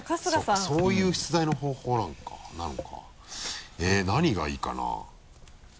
そうかそういう出題の方法なのかえっ何がいいかな？